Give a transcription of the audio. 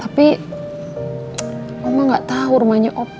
tapi mama ga tau rumahnya opa